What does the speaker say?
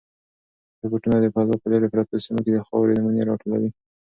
روبوټونه د فضا په لیرې پرتو سیمو کې د خاورې نمونې راټولوي.